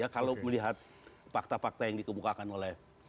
kalau melihat fakta fakta yang dikemukakan oleh